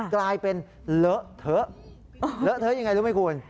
กลายเป็นเหลอะเถอะยังไงรู้ไหมคุณ